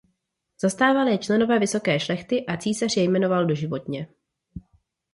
Zastávali je členové vysoké šlechty a císař je jmenoval doživotně.